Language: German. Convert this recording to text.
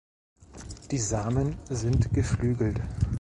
Die Samen sind geflügelt.